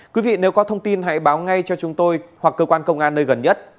quý vị nếu có thông tin hãy báo ngay cho chúng tôi hoặc cơ quan công an nơi gần nhất